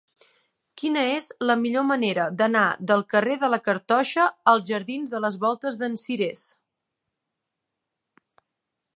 Quina és la millor manera d'anar del carrer de la Cartoixa als jardins de les Voltes d'en Cirés?